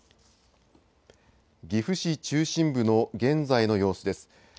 岐阜市中心部の現在の様子です。